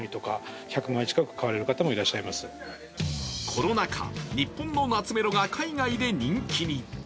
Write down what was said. コロナ禍、日本の懐メロが海外で人気に。